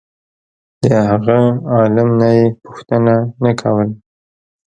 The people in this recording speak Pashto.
د هغه عالم نه یې پوښتنه نه کوله.